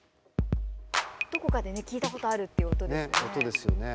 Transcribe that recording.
どこかでね聴いたことあるっていう音ですよね。